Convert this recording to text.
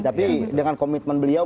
tapi dengan komitmen beliau